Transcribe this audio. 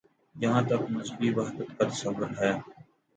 جہاں تک مذہبی وحدت کا تصور ہے۔